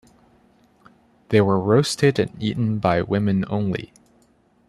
They were roasted and eaten by women only.